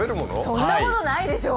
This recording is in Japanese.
そんなことないでしょう？